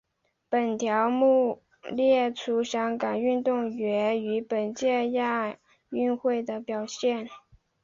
本条目列出香港运动员于本届亚运会的表现。